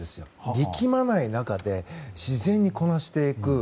力まない中で自然にこなしていく。